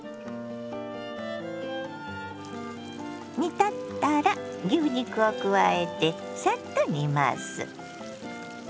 煮立ったら牛肉を加えてサッと煮ます。